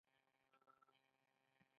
ریګویډا د افغانستان د سیندونو نومونه لري